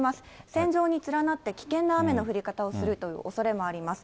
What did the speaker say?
線状に連なって危険な雨の降り方をするというおそれもあります。